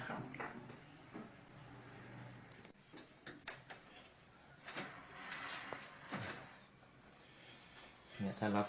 ก็ประมาณสิบปีแล้วครับ